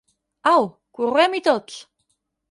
Au, correm-hi tots!